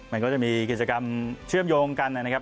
มันก็จะมีกิจกรรมเชื่อมโยงกันนะครับ